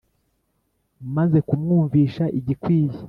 Maze kumwumvisha igikwiye